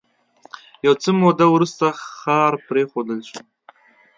یو څه موده وروسته ښار پرېښودل شو